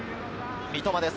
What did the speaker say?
三笘です。